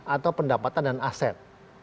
atau pendapatan dan aset